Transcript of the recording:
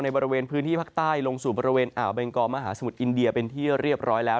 บริเวณพื้นที่ภาคใต้ลงสู่บริเวณอ่าวเบงกอมหาสมุทรอินเดียเป็นที่เรียบร้อยแล้ว